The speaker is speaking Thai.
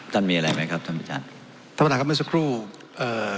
มันมีอะไรไหมครับท่านประธานท่านประธานครับเมื่อสักครู่เอ่อ